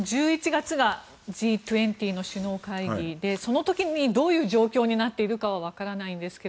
１１月がＧ２０の首脳会議でその時にどういう状況になっているかはわからないんですが。